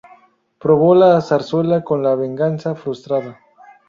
Probó la zarzuela con "La venganza frustrada".